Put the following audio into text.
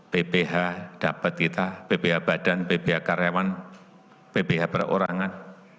bph dapat kita bph badan bph karyawan bph perorangan